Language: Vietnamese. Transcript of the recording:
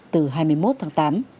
từ hai mươi một tháng tám